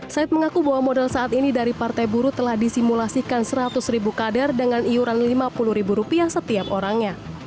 said mengaku bahwa modal saat ini dari partai buruh telah disimulasikan seratus ribu kader dengan iuran lima puluh ribu rupiah setiap orangnya